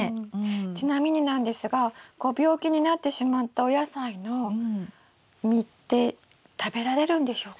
ちなみになんですがご病気になってしまったお野菜の実って食べられるんでしょうか？